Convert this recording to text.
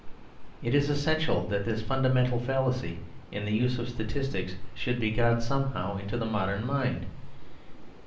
It is essential that this fundamental fallacy in the use of statistics should be got somehow into the modern mind.